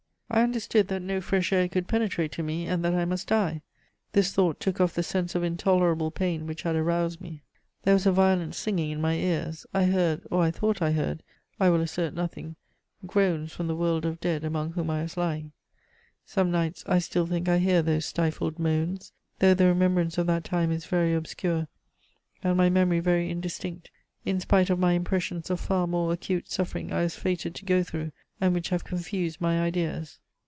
I understood that no fresh air could penetrate to me, and that I must die. This thought took off the sense of intolerable pain which had aroused me. There was a violent singing in my ears. I heard or I thought I heard, I will assert nothing groans from the world of dead among whom I was lying. Some nights I still think I hear those stifled moans; though the remembrance of that time is very obscure, and my memory very indistinct, in spite of my impressions of far more acute suffering I was fated to go through, and which have confused my ideas.